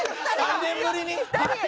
３年ぶりに。